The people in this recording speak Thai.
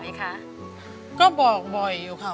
เบอร์เฐ่ะบอกบ่อยอยู่ค่ะ